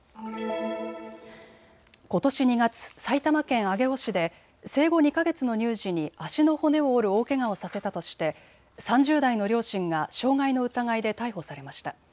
ことし２月、埼玉県上尾市で生後２か月の乳児に足の骨を折る大けがをさせたとして３０代の両親が傷害の疑いで逮捕されました。